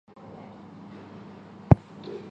桌上足球中足球小人的排列是标准化的。